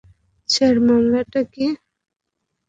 Sir, মামলাটা কী?